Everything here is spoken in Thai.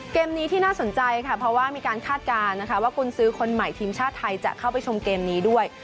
เกมนี้ที่น่าสนใจค่ะเพราะว่ามีการคาดการณ์นะคะว่ากุญซื้อคนใหม่ทีมชาติไทยจะเข้าไปชมเกมนี้ด้วย